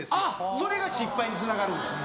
それが失敗につながるんです。